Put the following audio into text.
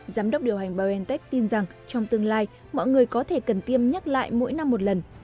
giám đốc điều hành biontech tin rằng trong tương lai mọi người có thể cần tiêm nhắc lại mỗi năm một lần